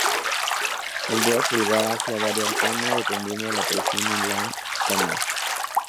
El dedo pulgar hace variar el tono, dependiendo de la presión en la lámina.